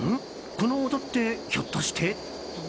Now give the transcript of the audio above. この音ってひょっとして。